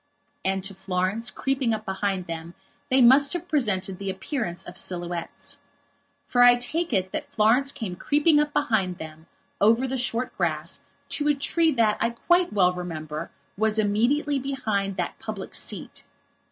And to Florence, creeping up behind them, they must have presented the appearance of silhouettes. For I take it that Florence came creeping up behind them over the short grass to a tree that, I quite well remember, was immediately behind that public seat.